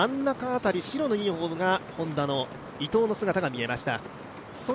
真ん中辺り、白のユニフォームがＨｏｎｄａの伊藤の姿が見えました。